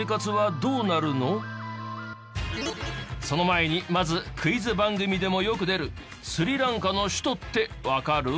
その前にまずクイズ番組でもよく出るスリランカの首都ってわかる？